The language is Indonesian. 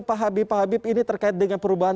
pak habib pak habib ini terkait dengan perubahan